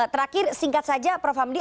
terakhir singkat saja prof hamdi